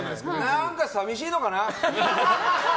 何か寂しいのかな？